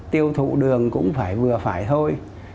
tiêu thụ đường cũng phải vừa phải thôi